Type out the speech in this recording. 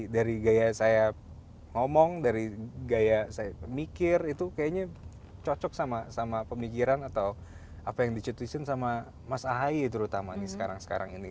dari gaya saya ngomong dari gaya saya mikir itu kayaknya cocok sama pemikiran atau apa yang dicetusin sama mas ahaye terutama nih sekarang sekarang ini